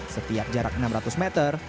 setiap jarak enam ratus meter